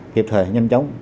hiệp thời nhanh chóng